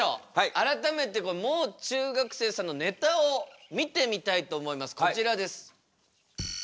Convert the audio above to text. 改めてもう中学生さんのネタを見てみたいと思いますこちらです。